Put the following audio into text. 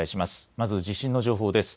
まず地震の情報です。